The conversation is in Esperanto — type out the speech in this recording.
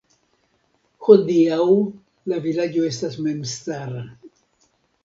Hodiaŭ la vilaĝo estas memstara.